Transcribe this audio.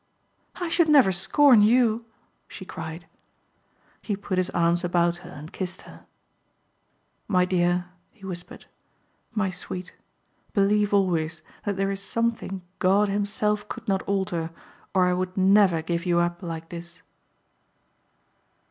"I should never scorn you," she cried. He put his arms about her and kissed her. "My dear," he whispered, "my sweet, believe always that there is something God himself could not alter or I would never give you up like this."